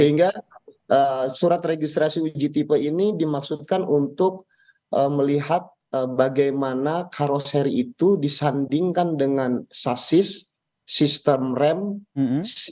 sehingga surat registrasi uji tipe ini dimaksudkan untuk melihat bagaimana karoseri itu disandingkan dengan sasis sistem rem